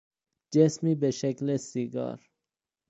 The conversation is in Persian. جسمی به شکل سیگار